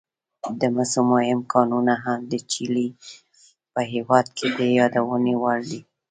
د مسو مهم کانونه هم د چیلي په هېواد کې د یادونې وړ دي.